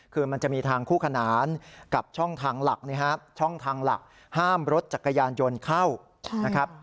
คือมันจะมีทางคู่ขนานกับช่องทางหลักนะครับช่องทางหลักห้ามรถจักรยานยนต์เข้านะครับ